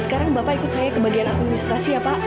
sekarang bapak ikut saya ke bagian administrasi ya pak